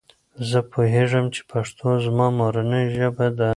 زه پوهیږم چې پښتو زما مورنۍ ژبه ده.